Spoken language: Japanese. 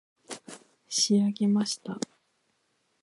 仕上げました